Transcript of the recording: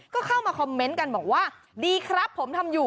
ก็เข้ามาคอมเมนต์กันบอกว่าดีครับผมทำอยู่